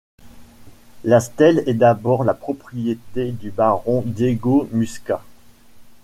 La stèle est d'abord la propriété du baron Diego Muscat.